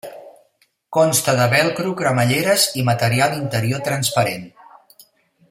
Consta de velcro, cremalleres i material interior transparent.